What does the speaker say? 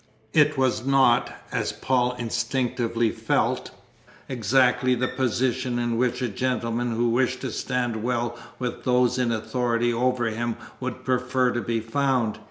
It was not, as Paul instinctively felt, exactly the position in which a gentleman who wished to stand well with those in authority over him would prefer to be found.